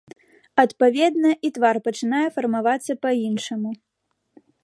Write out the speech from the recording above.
Адпаведна, і твар пачынае фармавацца па-іншаму.